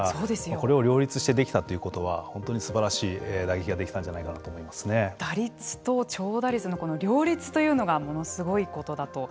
これを両立してできたということは本当にすばらしい打撃が打率と長打率の両立というのがものすごいことだと。